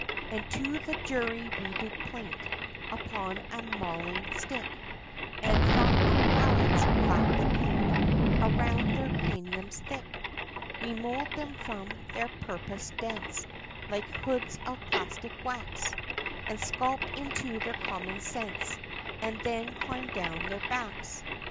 And to the jury, we do plaint, Upon a mauling stick, And from our pallets, clap the paint, Around their craniums thick, We mould them from their purpose dense, Like hods of plastic wax, And sculp into their common sense, And then climb down their backs!